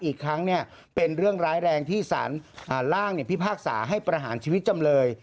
อีกครั้งเป็นเรื่องร้ายแรงที่สารล่างพิพากษาให้ประหารชีวิตจำเลย